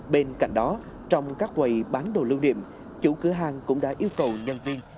bên cạnh đó trong các quầy bán đồ lưu niệm chủ cửa hàng cũng đã yêu cầu nhân viên